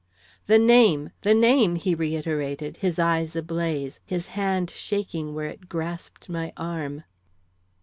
"The name! the name!" he reiterated, his eyes ablaze, his hand shaking where it grasped my arm.